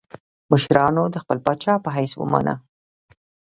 مشرانو د خپل پاچا په حیث ومانه.